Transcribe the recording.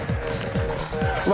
うわ。